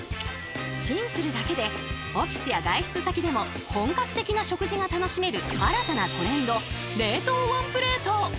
チンするだけでオフィスや外出先でも本格的な食事が楽しめる新たなトレンド冷凍ワンプレート！